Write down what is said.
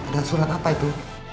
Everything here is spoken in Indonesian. dan surat apa itu